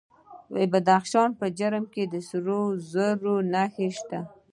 د بدخشان په جرم کې د سرو زرو نښې شته.